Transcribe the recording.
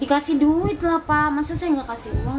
dikasih duit lah pak maksudnya saya nggak kasih uang